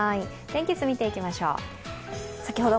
天気図見ていきましょう。